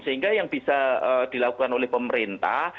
sehingga yang bisa dilakukan oleh pemerintah